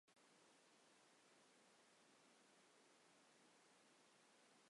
Ziman, neynika mejî ye.